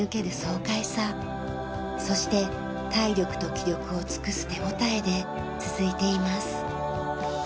そして体力と気力を尽くす手応えで続いています。